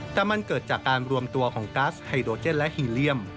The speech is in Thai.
แต่มันเกิดจากการรวมตัวของกัสไฮโดเจนและฮีเลียม